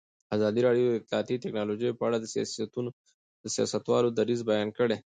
ازادي راډیو د اطلاعاتی تکنالوژي په اړه د سیاستوالو دریځ بیان کړی.